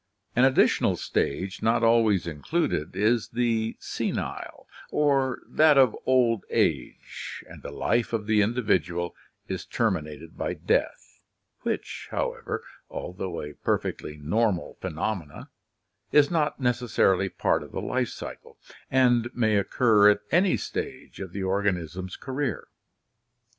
An additional stage, not always included, is the senile, or that of old age, and the life of the individual is terminated by death, which, however, al though a perfectly normal phenomenon, is not necessarily part of the life cycle and may occur at any stage of the organism's career.